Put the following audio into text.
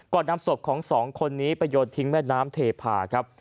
นำศพของสองคนนี้ไปโยนทิ้งแม่น้ำเทพาครับ